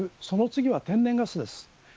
その次は天然ガスです。